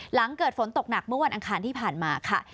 หลังเกิดฝนตกหนักเมื่อวันอังคารที่ผ่านมาค่ะ